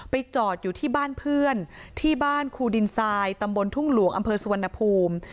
จอดอยู่ที่บ้านเพื่อนที่บ้านครูดินทรายตำบลทุ่งหลวงอำเภอสุวรรณภูมิ